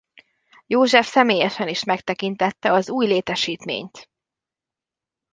József személyesen is megtekintette az új létesítményt.